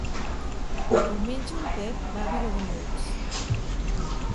Diumenge en Pep va a Vilademuls.